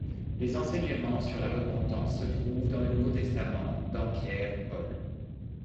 Les enseignements sur la repentance se trouvent dans le Nouveau Testament dans Pierre, Paul.